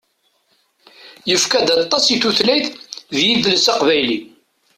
Yefka-d aṭas i tutlayt d yidles aqbayli.